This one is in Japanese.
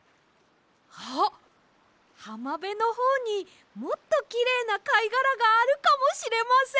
あっはまべのほうにもっときれいなかいがらがあるかもしれません！